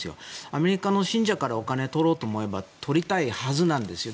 アメリカの信者からお金を取ろうと思えばとりたいはずなんですよ。